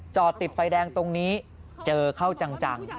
จอดติดไฟแดงตรงนี้เจอเข้าจัง